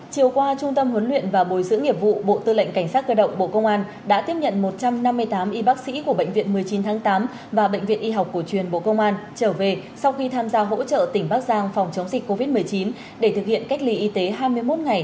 chiều qua trung tâm huấn luyện và bồi dưỡng nghiệp vụ bộ tư lệnh cảnh sát cơ động bộ công an đã tiếp nhận một trăm năm mươi tám y bác sĩ của bệnh viện một mươi chín tháng tám và bệnh viện y học cổ truyền bộ công an trở về sau khi tham gia hỗ trợ tỉnh bắc giang phòng chống dịch covid một mươi chín để thực hiện cách ly y tế hai mươi một ngày